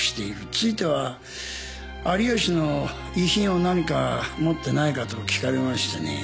ついては有吉の遺品を何か持っていないかと訊かれましてね。